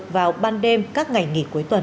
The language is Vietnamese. vào ban đêm các ngày nghỉ cuối tuần